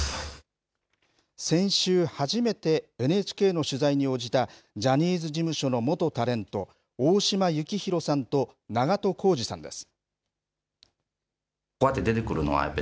先週、初めてＮＨＫの取材に応じた、ジャニーズ事務所の元タレント、大島幸広さんと長渡康二さんです。